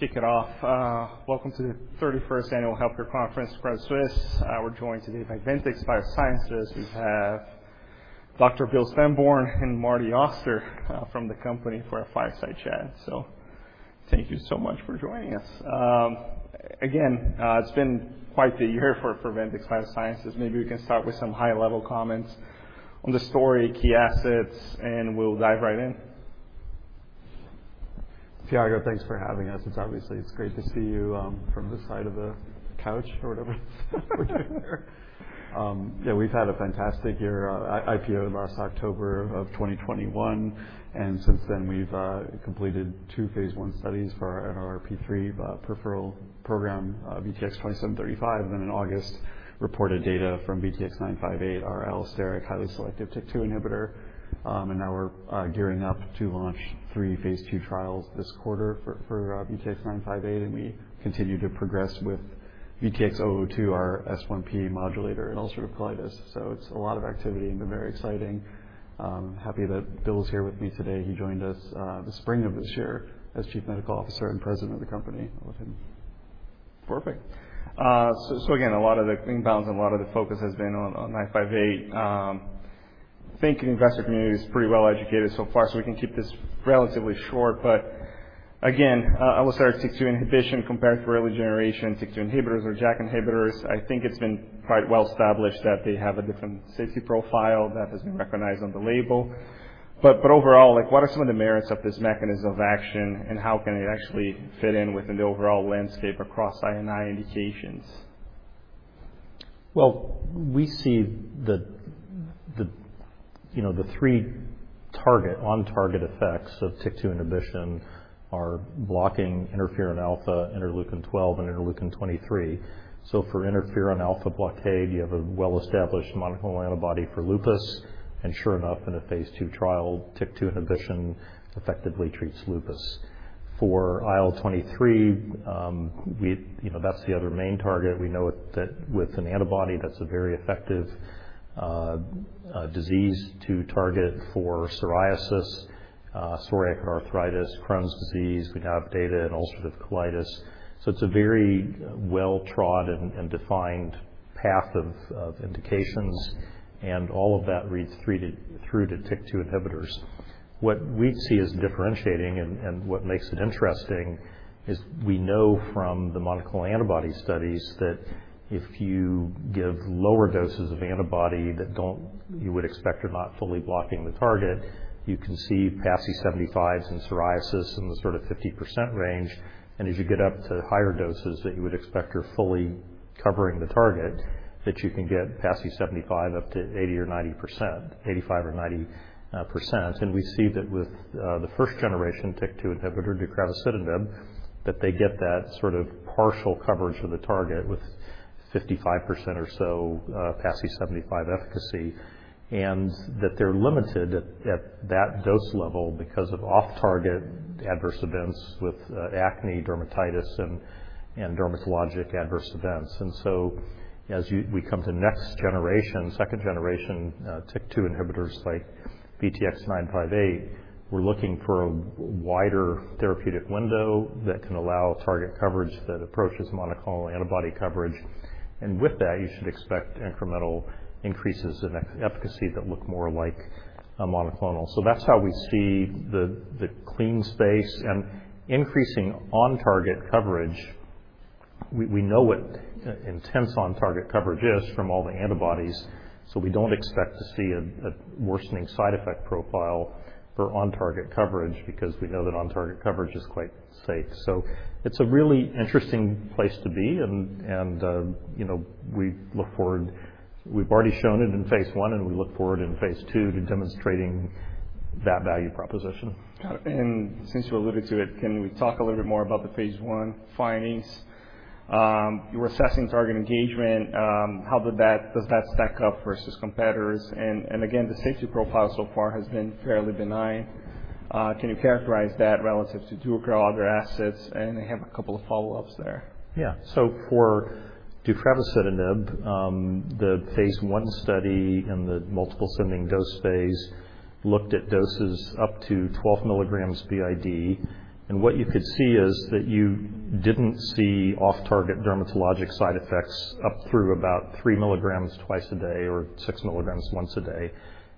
Kick it off. Welcome to the 31st Annual Healthcare Conference, Credit Suisse. We're joined today by Ventyx Biosciences. We have Dr. William Sandborn and Martin Auster from the company for a fireside chat. Thank you so much for joining us. Again, it's been quite the year for Ventyx Biosciences. Maybe we can start with some high-level comments on the story, key assets, and we'll dive right in. Thiago, thanks for having us. It's obviously, it's great to see you from this side of the couch or whatever we're doing here. Yeah, we've had a fantastic year. Our IPO last October of 2021, and since then, we've completed two phase one studies for our NLRP3 peripheral program, VTX2735, and then in August, reported data from VTX958, our allosteric highly selective TYK2 inhibitor. Now we're gearing up to launch three phase two trials this quarter for VTX958, and we continue to progress with VTX002, our S1P1R modulator in ulcerative colitis. It's a lot of activity and been very exciting. Happy that Bill is here with me today. He joined us the spring of this year as Chief Medical Officer and President of the company. Over to him. Perfect. Again, a lot of the inbound and a lot of the focus has been on VTX958. I think the investor community is pretty well educated so far, so we can keep this relatively short. Again, allosteric TYK2 inhibition compared to early generation TYK2 inhibitors or JAK inhibitors, I think it's been quite well established that they have a different safety profile that has been recognized on the label. Overall, like what are some of the merits of this mechanism of action, and how can it actually fit in within the overall landscape across I&I indications? We see you know the three on-target effects of TYK2 inhibition are blocking Interferon alpha, Interleukin 12, and Interleukin 23. For interferon alpha blockade, you have a well-established monoclonal antibody for lupus. Sure enough, in a phase II trial, TYK2 inhibition effectively treats lupus. For IL-23, you know, that's the other main target. We know that with an antibody, that's a very effective disease to target for psoriasis, psoriatic arthritis, Crohn's disease. We have data in ulcerative colitis, so it's a very well-trod and defined path of indications, and all of that reads through to TYK2 inhibitors. What we see as differentiating and what makes it interesting is we know from the monoclonal antibody studies that if you give lower doses of antibody that don't You would expect are not fully blocking the target, you can see PASI 75 in psoriasis in the sort of 50% range. As you get up to higher doses that you would expect are fully covering the target, that you can get PASI 75 up to 80% or 90%, 85% or 90%. We see that with the first generation TYK2 inhibitor, deucravacitinib, that they get that sort of partial coverage of the target with 55% or so PASI 75 efficacy, and that they're limited at that dose level because of off-target adverse events with acne, dermatitis, and dermatologic adverse events. We come to next generation, second generation TYK2 inhibitors like VTX958, we're looking for a wider therapeutic window that can allow target coverage that approaches monoclonal antibody coverage. You should expect incremental increases in efficacy that look more like a monoclonal. That's how we see the clean space and increasing on-target coverage. We know what intense on-target coverage is from all the antibodies, so we don't expect to see a worsening side effect profile for on-target coverage because we know that on-target coverage is quite safe. It's a really interesting place to be and you know we look forward. We've already shown it in phase I, and we look forward in phase II to demonstrating that value proposition. Got it. Since you alluded to it, can we talk a little bit more about the phase I findings? You were assessing target engagement. Does that stack up versus competitors? Again, the safety profile so far has been fairly benign. Can you characterize that relative to TYK2 or other assets? I have a couple of follow-ups there. Yeah. For deucravacitinib, the phase I study and the multiple ascending dose phase looked at doses up to 12 mg BID. What you could see is that you didn't see off-target dermatologic side effects up through about 3 mg twice a day or 6 mg once a day.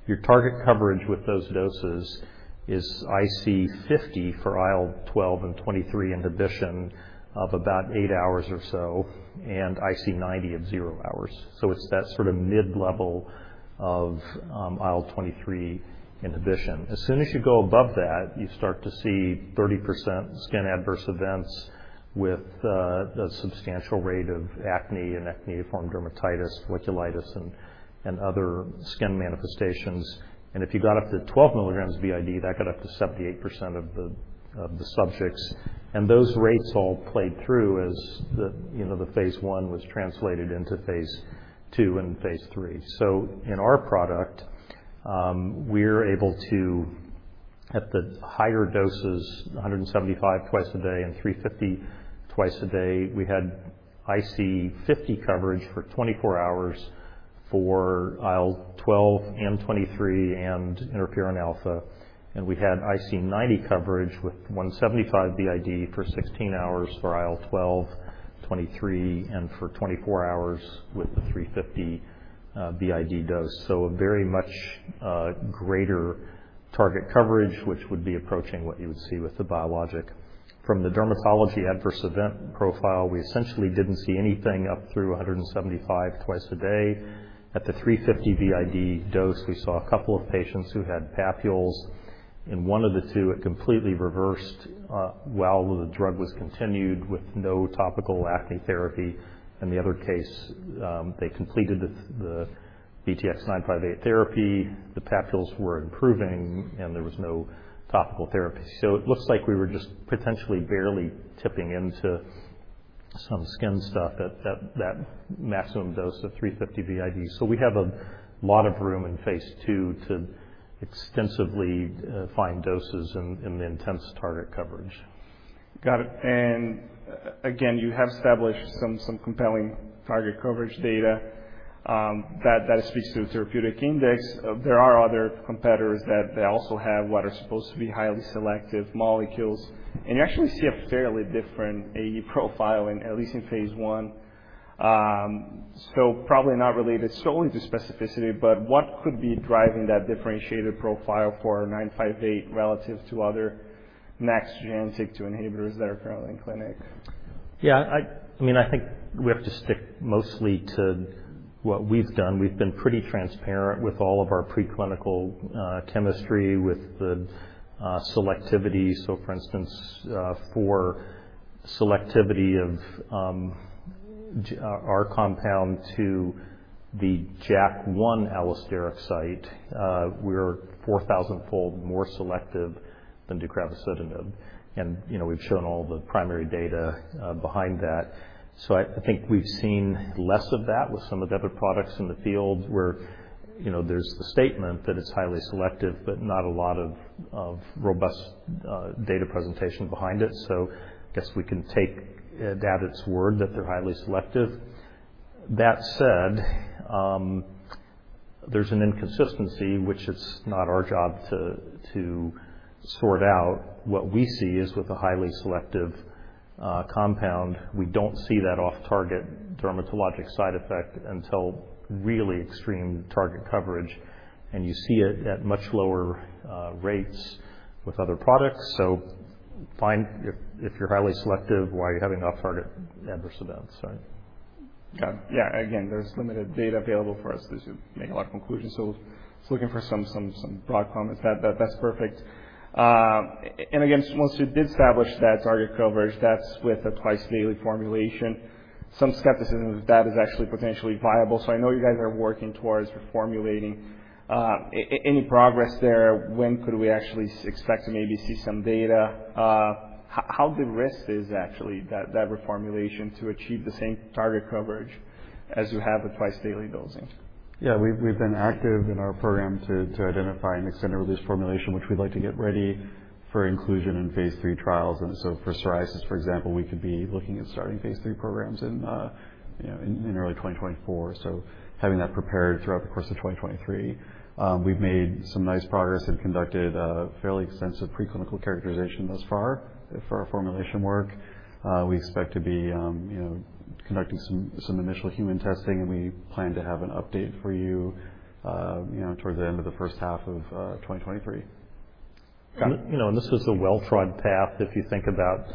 Your target coverage with those doses is IC 50 for IL-12 and IL-23 inhibition of about eight hours or so and IC 90 at zero hours. It's that sort of mid-level of IL-23 inhibition. As soon as you go above that, you start to see 30% skin adverse events with a substantial rate of acne and acneiform dermatitis, folliculitis, and other skin manifestations. If you got up to 12 mg BID, that got up to 78% of the subjects. Those rates all played through as the phase I was translated into phase II and phase III. In our product, we're able to, at the higher doses, 175 mg twice a day and 350 mg twice a day, we had IC 50 coverage for 24 hours for IL-12/ IL-23 and Interferon alpha. We had IC 90 coverage with 175 mg BID for 16 hours for IL-12/ IL-23, and for 24 hours with the 350 BID dose. A very much greater target coverage, which would be approaching what you would see with the biologic. From the dermatology adverse event profile, we essentially didn't see anything up through 175 twice a day. At the 350 mg BID dose, we saw a couple of patients who had papules, and one of the two had completely reversed while the drug was continued with no topical acne therapy. In the other case, they completed the VTX958 therapy. The papules were improving, and there was no topical therapy. It looks like we were just potentially barely tipping into some skin stuff at that maximum dose of 350 BID. We have a lot of room in phase II to extensively find doses in the intended target coverage. Got it. You have established some compelling target coverage data that speaks to the therapeutic index. There are other competitors that they also have what are supposed to be highly selective molecules. You actually see a fairly different AUC profile in at least phase I. Probably not related solely to specificity, but what could be driving that differentiated profile for VTX958 relative to other next-gen TYK2 inhibitors that are currently in clinic? Yeah, I mean, I think we have to stick mostly to what we've done. We've been pretty transparent with all of our preclinical chemistry, with the selectivity. So, for instance, for selectivity of our compound to the JAK1 allosteric site, we're 4,000-fold more selective than deucravacitinib. You know, we've shown all the primary data behind that. I think we've seen less of that with some of the other products in the field where, you know, there's the statement that it's highly selective, but not a lot of robust data presentation behind it. I guess we can take it at its word that they're highly selective. That said, there's an inconsistency which it's not our job to sort out. What we see is with a highly selective compound, we don't see that off-target dermatologic side effect until really extreme target coverage, and you see it at much lower rates with other products. Fine if you're highly selective, why are you having off-target adverse events, right? Got it. Yeah, again, there's limited data available for us to make a lot of conclusions. Just looking for some broad comments. That's perfect. Once you did establish that target coverage, that's with a twice-daily formulation. Some skepticism if that is actually potentially viable. I know you guys are working towards reformulating. Any progress there? When could we actually expect to maybe see some data? How good risk is actually that reformulation to achieve the same target coverage as you have with twice-daily dosing? Yeah, we've been active in our program to identify an extended-release formulation, which we'd like to get ready for inclusion in phase III trials. For psoriasis, for example, we could be looking at starting phase III programs in, you know, early 2024. Having that prepared throughout the course of 2023. We've made some nice progress and conducted a fairly extensive preclinical characterization thus far for our formulation work. We expect to be conducting some initial human testing, and we plan to have an update for you know, towards the end of the first half of 2023. Got it. You know, this was the well-trod path. If you think about,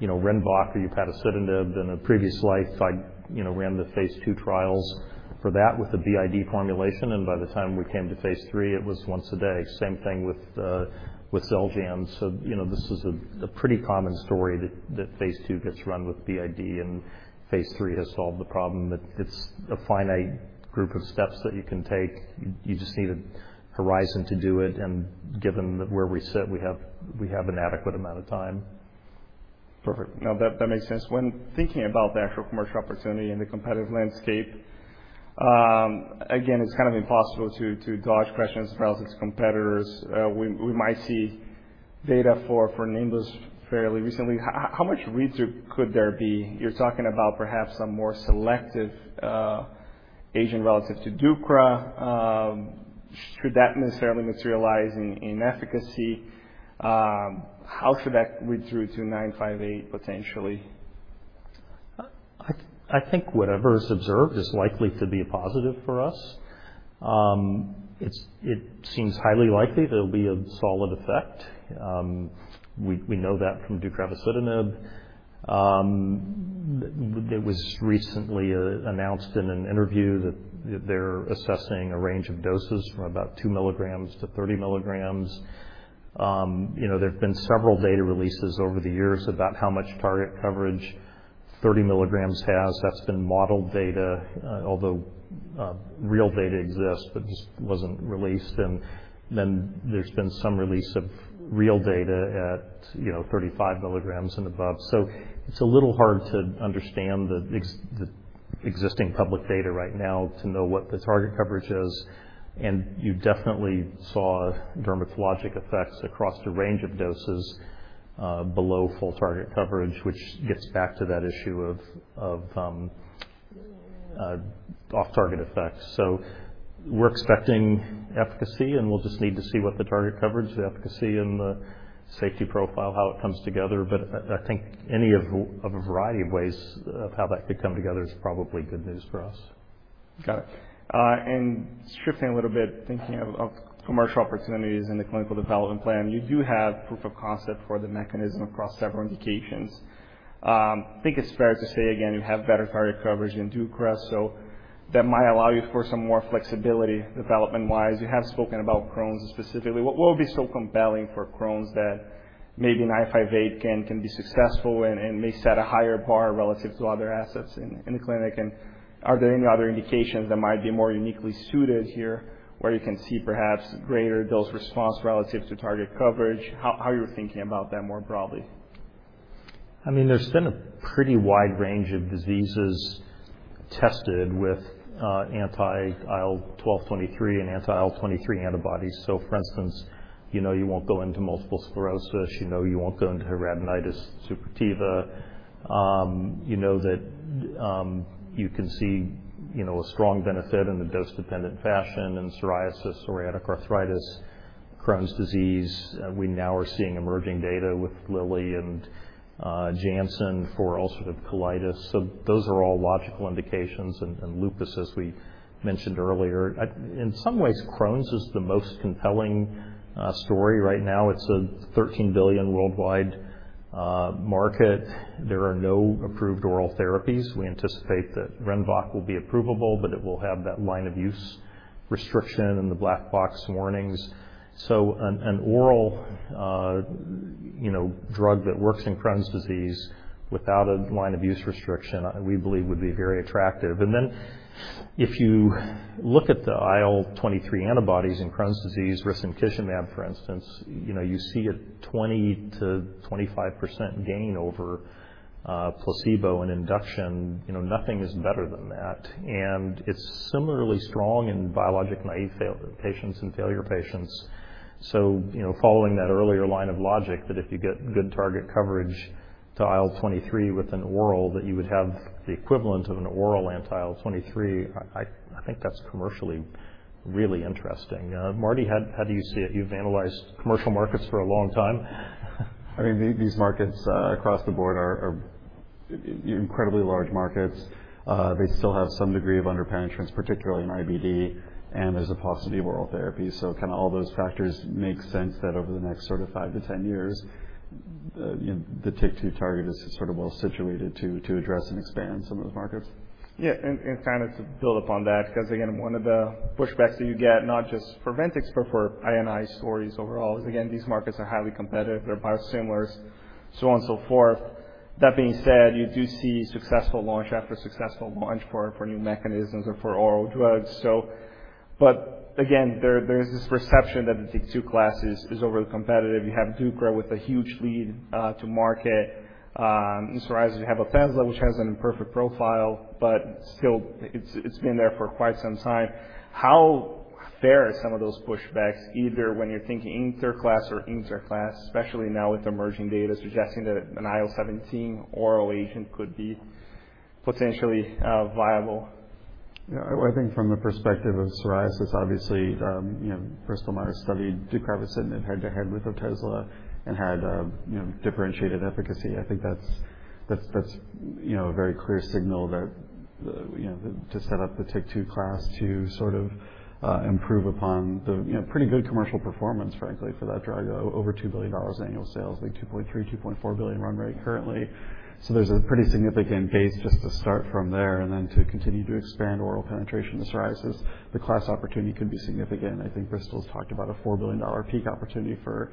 you know, Rinvoq or upadacitinib in a previous life. I, you know, ran the phase II trials for that with the BID formulation, and by the time we came to phase III, it was once a day. Same thing with XELJANZ. You know, this is a pretty common story that phase II gets run with BID and phase III has solved the problem, but it's a finite group of steps that you can take. You just need a horizon to do it, and given that where we sit, we have an adequate amount of time. Perfect. No, that makes sense. When thinking about the actual commercial opportunity and the competitive landscape, again, it's kind of impossible to dodge questions about its competitors. We might see data for Nimbus fairly recently. How much readthrough could there be? You're talking about perhaps a more selective agent relative to deucravacitinib. Should that necessarily materialize in efficacy? How should that read through to VTX958 potentially? I think whatever is observed is likely to be a positive for us. It seems highly likely there'll be a solid effect. We know that from deucravacitinib. It was recently announced in an interview that they're assessing a range of doses from about 2 mg-30 mg. You know, there've been several data releases over the years about how much target coverage 30 mg has. That's been modeled data, although real data exists, but just wasn't released. There's been some release of real data at, you know, 35 mg and above. It's a little hard to understand the existing public data right now to know what the target coverage is. You definitely saw dermatologic effects across a range of doses below full target coverage, which gets back to that issue of off-target effects. We're expecting efficacy, and we'll just need to see what the target coverage, the efficacy, and the safety profile, how it comes together. I think any of a variety of ways of how that could come together is probably good news for us. Got it. Shifting a little bit, thinking of commercial opportunities in the clinical development plan, you do have proof of concept for the mechanism across several indications. I think it's fair to say again, you have better target coverage than DUPIXENT, so that might allow you for some more flexibility development-wise. You have spoken about Crohn's specifically. What would be so compelling for Crohn's that maybe a VTX958 can be successful and may set a higher bar relative to other assets in the clinic? Are there any other indications that might be more uniquely suited here, where you can see perhaps greater dose response relative to target coverage? How are you thinking about that more broadly? I mean, there's been a pretty wide range of diseases tested with anti-IL-12/23 and anti-IL-23 antibodies. For instance, you know you won't go into multiple sclerosis, you know you won't go into hidradenitis suppurativa. You know that you can see, you know, a strong benefit in a dose-dependent fashion in psoriasis, psoriatic arthritis, Crohn's disease. We now are seeing emerging data with Lilly and Janssen for ulcerative colitis. Those are all logical indications. And lupus, as we mentioned earlier. In some ways, Crohn's is the most compelling story right now. It's a $13 billion worldwide market. There are no approved oral therapies. We anticipate that Rinvoq will be approvable, but it will have that line of use restriction and the black box warnings. An oral, you know, drug that works in Crohn's disease without a line of use restriction, we believe would be very attractive. Then if you look at the IL-23 antibodies in Crohn's disease, risankizumab, for instance, you know, you see a 20%-25% gain over placebo in induction. You know, nothing is better than that. It's similarly strong in biologic naive patients and failure patients. You know, following that earlier line of logic that if you get good target coverage to IL-23 with an oral, that you would have the equivalent of an oral anti-IL-23, I think that's commercially really interesting. Marty, how do you see it? You've analyzed commercial markets for a long time. I mean, these markets across the board are incredibly large markets. They still have some degree of under-penetrance, particularly in IBD, and there's a possibility of oral therapy. Kind of all those factors make sense that over the next sort of 5-10 years, you know, the TYK2 target is sort of well situated to address and expand some of those markets. Yeah, kind of to build upon that, 'cause again, one of the pushbacks that you get, not just for Ventyx but for I&I stories overall, is again, these markets are highly competitive. There are biosimilars, so on and so forth. That being said, you do see successful launch after successful launch for new mechanisms or for oral drugs. Again, there's this perception that the TYK2 class is overly competitive. You have DUPIXENT with a huge lead to market. In psoriasis, you have Otezla, which has an imperfect profile, but still it's been there for quite some time. How fair are some of those pushbacks, either when you're thinking in their class, especially now with emerging data suggesting that an IL-17 oral agent could be potentially viable? Yeah, well, I think from the perspective of psoriasis, obviously, you know, Bristol Myers Squibb studied deucravacitinib in head-to-head with Otezla and had, you know, differentiated efficacy. I think that's, you know, a very clear signal that, you know, to set up the TYK2 class to sort of, improve upon the, you know, pretty good commercial performance, frankly, for that drug. Over $2 billion in annual sales, like $2.3 billion, $2.4 billion run rate currently. So there's a pretty significant base just to start from there, and then to continue to expand oral penetration to psoriasis, the class opportunity could be significant. I think Bristol's talked about a $4 billion peak opportunity for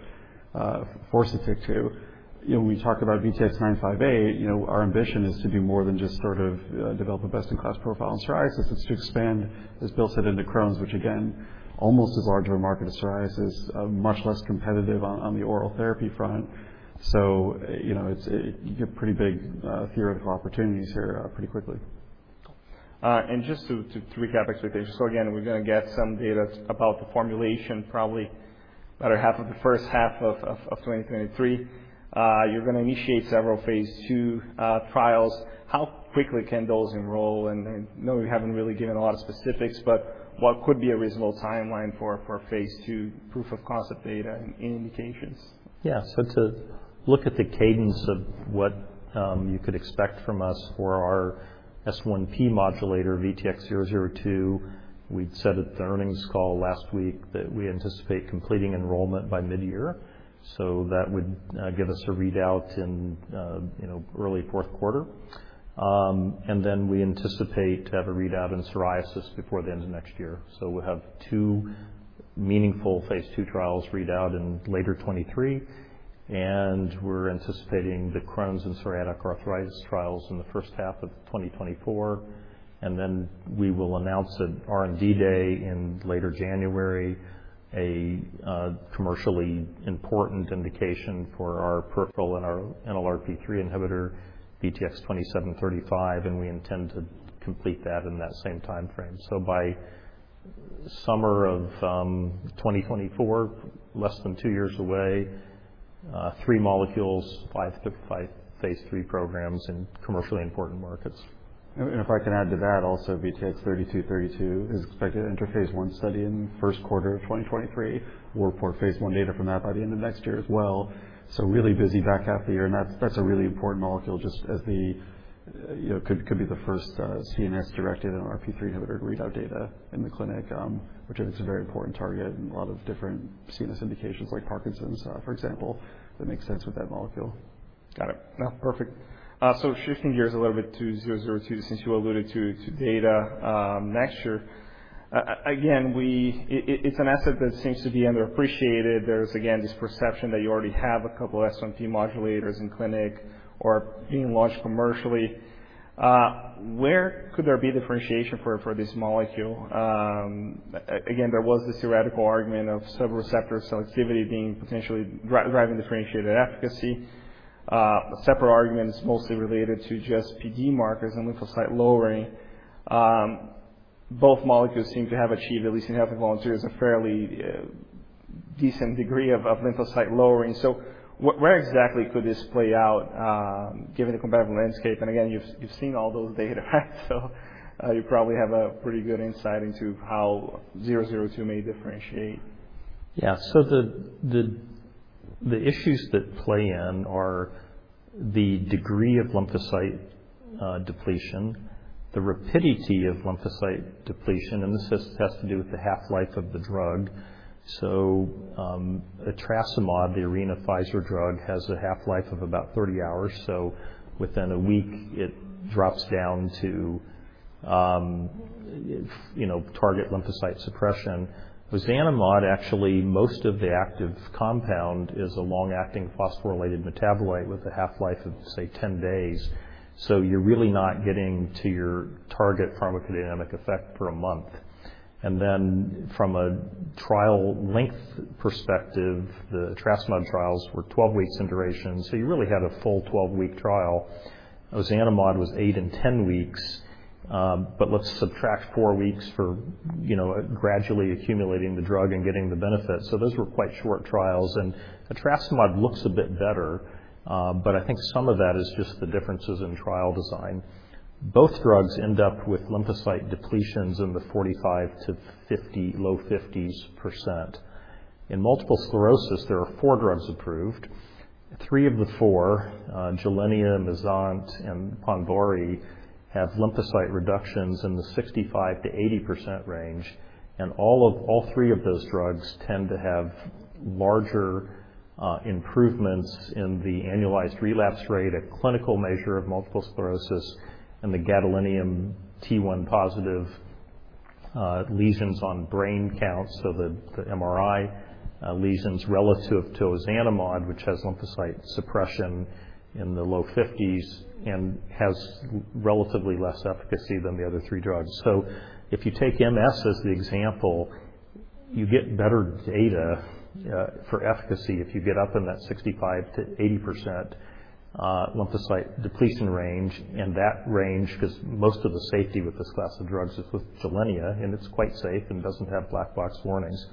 TYK2. You know, when we talk about VTX958, you know, our ambition is to do more than just sort of develop a best-in-class profile in psoriasis. It's to expand this molecule into Crohn's, which again, almost as large of a market as psoriasis, much less competitive on the oral therapy front. You know, it's you get pretty big theoretical opportunities here pretty quickly. Just to recap expectations. Again, we're gonna get some data about the formulation probably the latter half of the first half of 2023. You're gonna initiate several phase II trials. How quickly can those enroll? I know you haven't really given a lot of specifics, but what could be a reasonable timeline for phase II proof of concept data in indications? Yeah. To look at the cadence of what you could expect from us for our S1P1R modulator, VTX002, we'd said at the earnings call last week that we anticipate completing enrollment by mid-year. That would give us a readout in, you know, early fourth quarter. And then we anticipate to have a readout in psoriasis before the end of next year. We'll have two meaningful phase two trials readout in later 2023, and we're anticipating the Crohn's and psoriatic arthritis trials in the first half of 2024. Then we will announce at R&D Day in later January a commercially important indication for our peripheral and our NLRP3 inhibitor, VTX2735, and we intend to complete that in that same timeframe. By summer of 2024, less than two years away, three molecules, five to five phase III programs in commercially important markets. If I can add to that also, VTX3232 is expected to enter phase I study in the first quarter of 2023. We'll report phase I data from that by the end of next year as well. Really busy back half of the year, and that's a really important molecule, just as the could be the first CNS-directed NLRP3 inhibitor readout data in the clinic, which is a very important target and a lot of different CNS indications like Parkinson's, for example, that makes sense with that molecule. Got it. No. Perfect. Shifting gears a little bit to VTX002, since you alluded to data next year. Again, it's an asset that seems to be underappreciated. There's again this perception that you already have a couple S1P1R modulators in clinic or being launched commercially. Where could there be differentiation for this molecule? Again, there was this theoretical argument of several receptor selectivity being potentially driving differentiated efficacy. Separate arguments mostly related to just PD markers and lymphocyte lowering. Both molecules seem to have achieved, at least in healthy volunteers, a fairly decent degree of lymphocyte lowering. Where exactly could this play out given the competitive landscape? Again, you've seen all those data so you probably have a pretty good insight into how zero zero two may differentiate. The issues that play in are the degree of lymphocyte depletion, the rapidity of lymphocyte depletion, and this has to do with the half-life of the drug. Etrasimod, the Arena Pfizer drug, has a half-life of about 30 hours, so within a week it drops down to, you know, target lymphocyte suppression. ozanimod, actually, most of the active compound is a long-acting phosphorylated metabolite with a half-life of, say, 10 days. You're really not getting to your target pharmacodynamic effect for a month. From a trial length perspective, the etrasimod trials were 12 weeks in duration, so you really had a full 12-week trial. ozanimod was eight and 10 weeks, but let's subtract four weeks for, you know, gradually accumulating the drug and getting the benefit. Those were quite short trials, and etrasimod looks a bit better, but I think some of that is just the differences in trial design. Both drugs end up with lymphocyte depletions in the 45%-50%, low 50s%. In multiple sclerosis, there are four drugs approved. Three of the four, GILENYA, MAYZENT, and PONVORY, have lymphocyte reductions in the 65%-80% range, and all three of those drugs tend to have larger improvements in the annualized relapse rate, a clinical measure of multiple sclerosis, and the gadolinium T1 positive lesions on brain counts, so the MRI lesions relative to ozanimod, which has lymphocyte suppression in the low 50s% and has relatively less efficacy than the other three drugs. If you take MS as the example, you get better data for efficacy if you get up in that 65%-80% lymphocyte depletion range and that range, 'cause most of the safety with this class of drugs is with GILENYA, and it's quite safe and doesn't have black box warnings.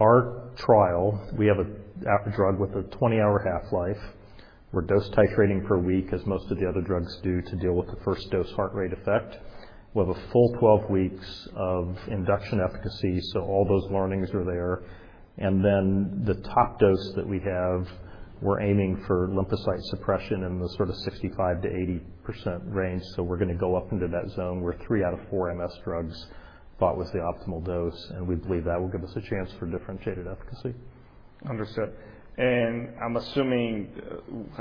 Our trial, we have a drug with a 20-hour half-life. We're dose titrating per week as most of the other drugs do to deal with the first dose heart rate effect. We have a full 12 weeks of induction efficacy, so all those learnings are there. Then the top dose that we have, we're aiming for lymphocyte suppression in the sort of 65%-80% range. We're gonna go up into that zone where three out of four MS drugs failed with the optimal dose, and we believe that will give us a chance for differentiated efficacy. Understood. I'm assuming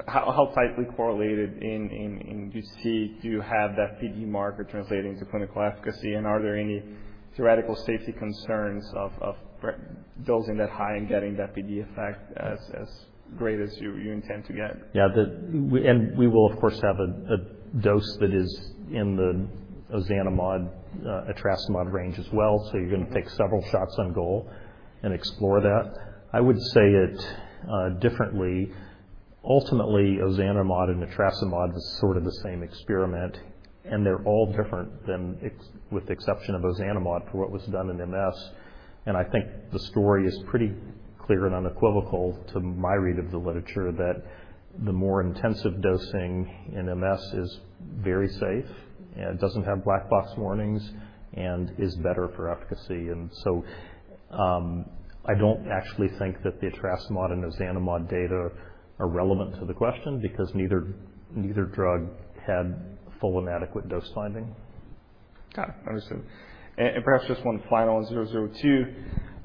how tightly correlated in UC do you have that PD marker translating to clinical efficacy? Are there any theoretical safety concerns of redosing that high and getting that PD effect as great as you intend to get? Yeah. We will of course have a dose that is in the ozanimod, etrasimod range as well. You're gonna take several shots on goal and explore that. I would say it differently. Ultimately, ozanimod and etrasimod is sort of the same experiment, and they're all different than with the exception of ozanimod for what was done in MS. I think the story is pretty clear and unequivocal to my read of the literature that the more intensive dosing in MS is very safe and doesn't have black box warnings and is better for efficacy. I don't actually think that the etrasimod and ozanimod data are relevant to the question because neither drug had full and adequate dose finding. Got it. Understood. Perhaps just one final on VTX002.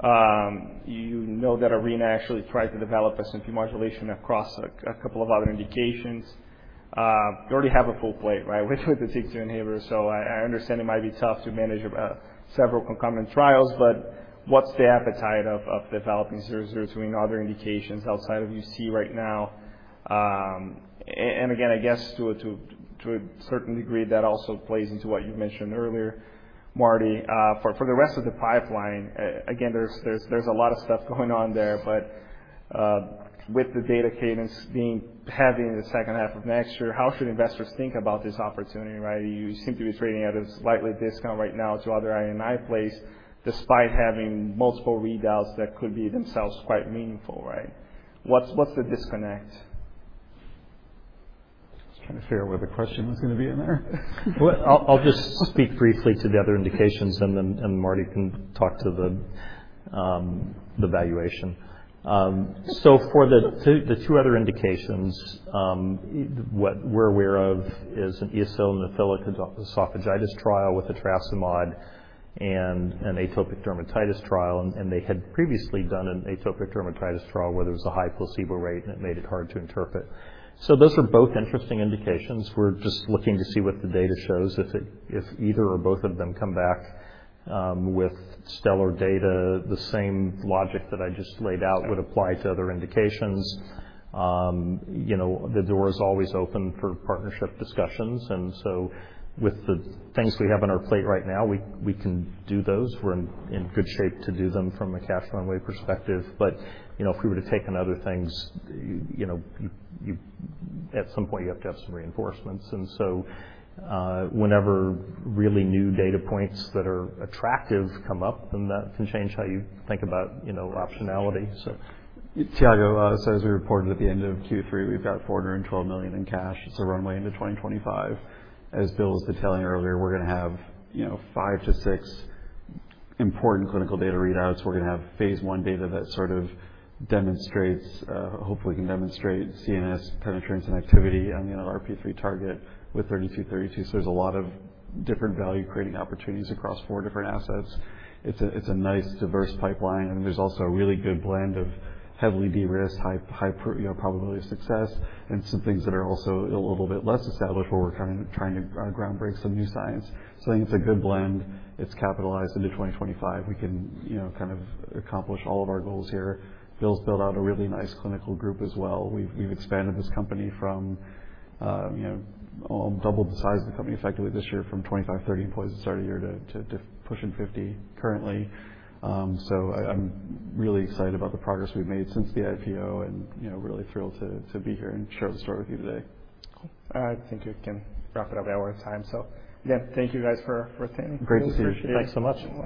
You know that Arena actually tried to develop an S1P1R modulator across a couple of other indications. You already have a full plate, right, with the TYK2 inhibitor, so I understand it might be tough to manage several concurrent trials, but what's the appetite for developing VTX002 in other indications outside of UC right now? And again, I guess to a certain degree, that also plays into what you mentioned earlier, Marty, for the rest of the pipeline. Again, there's a lot of stuff going on there, but with the data cadence being heavy in the second half of next year, how should investors think about this opportunity, right? You seem to be trading at a slight discount right now to other I&I plays despite having multiple readouts that could be themselves quite meaningful, right? What's the disconnect? Just trying to figure out where the question was gonna be in there. Well, I'll just speak briefly to the other indications, and then Marty can talk to the valuation. For the two other indications, what we're aware of is an Eosinophilic Esophagitis trial with etrasimod and an atopic dermatitis trial. They had previously done an atopic dermatitis trial where there was a high placebo rate, and it made it hard to interpret. Those are both interesting indications. We're just looking to see what the data shows. If either or both of them come back with stellar data, the same logic that I just laid out would apply to other indications. You know, the door is always open for partnership discussions, and so with the things we have on our plate right now, we can do those. We're in good shape to do them from a cash runway perspective. You know, if we were to take on other things, you know, at some point, you have to have some reinforcements. Whenever really new data points that are attractive come up, then that can change how you think about, you know, optionality so. Tiago, as we reported at the end of Q3, we've got $412 million in cash. It's a runway into 2025. As Bill was detailing earlier, we're gonna have, you know, five to six important clinical data readouts. We're gonna have phase I data that sort of demonstrates, hopefully can demonstrate CNS penetration and activity on the NLRP3 target with VTX3232. There's a lot of different value-creating opportunities across four different assets. It's a nice diverse pipeline, and there's also a really good blend of heavily de-risked high probability of success and some things that are also a little bit less established, where we're trying to groundbreaking some new science. I think it's a good blend. It's capitalized into 2025. We can, you know, kind of accomplish all of our goals here. Bill's built out a really nice clinical group as well. We've expanded this company from, you know, doubled the size of the company effectively this year from 25, 30 employees at the start of the year to pushing 50 employees currently. I'm really excited about the progress we've made since the IPO and, you know, really thrilled to be here and share the story with you today. Cool. I think we can wrap it up at our time. Again, thank you guys for attending. Great to see you. Thanks so much.